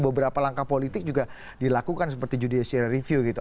beberapa langkah politik juga dilakukan seperti judicial review gitu